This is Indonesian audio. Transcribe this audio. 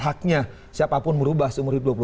haknya siapapun merubah seumur hidup